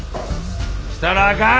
来たらあかん！